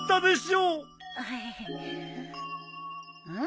うん？